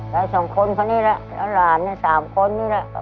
แต่สองคนเขานี่แหละแล้วราธินั่นสามคนนี้แหละ